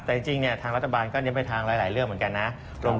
แต่จริงเนี่ยทางรัฐบาลก็เน้นไปทางหลายเรื่องเหมือนกันนะ